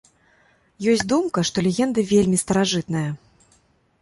Ёсць думка, што легенда вельмі старажытная.